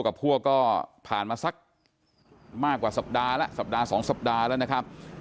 กับพวกก็ผ่านมาสักมากกว่าสัปดาห์แล้วสัปดาห์๒สัปดาห์แล้วนะครับ